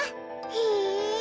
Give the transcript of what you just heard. へえ！